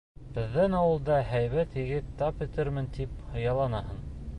Беҙҙең ауылда һәйбәт егет тап итермен тип хыялланаһың.